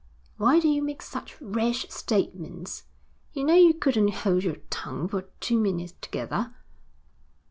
'Why do you make such rash statements? You know you couldn't hold you tongue for two minutes together.'